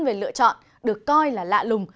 về lựa chọn được coi là lạ lùng